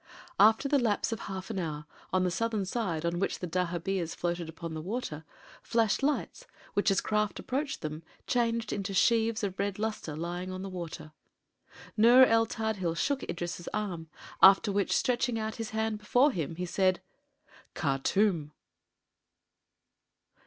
After the lapse of half an hour, on the southern side, on which dahabeahs floated upon the water, flashed lights which, as crafts approached them, changed into sheaves of red luster lying on the water. Nur el Tadhil shook Idris' arm, after which, stretching out his hand before him, he said: "Khartûm!"